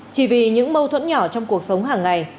chỉ vì những mâu thuẫn nhỏ trong cuộc sống hàng ngày